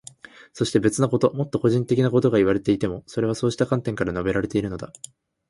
そして、別なこと、もっと個人的なことがいわれていても、それはそうした観点から述べられているのだ。